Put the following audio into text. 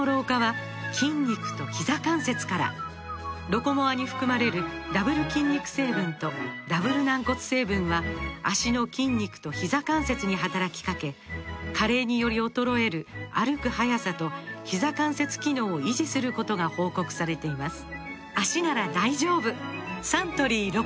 「ロコモア」に含まれるダブル筋肉成分とダブル軟骨成分は脚の筋肉とひざ関節に働きかけ加齢により衰える歩く速さとひざ関節機能を維持することが報告されています